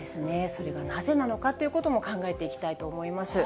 それがなぜなのかということも考えていきたいと思います。